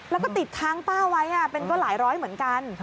แล้วก็ติดค้างป้าไว้เป็นก็หลายร้อยเหมือนกัน